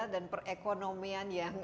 dan perekonomian yang